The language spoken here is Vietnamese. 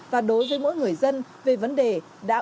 và đối với mỗi người dân về vấn đề đã uống rượu bia không lái xe